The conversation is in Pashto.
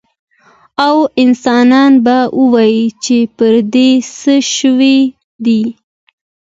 او انسان به ووايي چې پر دې څه شوي دي؟